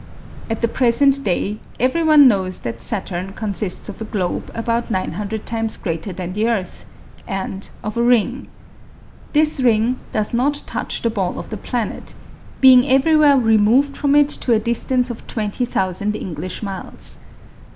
At the present day every one knows that Saturn consists of a globe about nine hundred times greater than the earth, and of a ring. This ring does not touch the ball of the planet, being everywhere removed from it to a distance of twenty thousand (English) miles.